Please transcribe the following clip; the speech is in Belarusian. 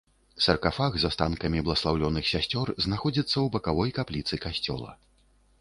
Саркафаг з астанкамі бласлаўлёных сясцёр знаходзіцца ў бакавой капліцы касцёла.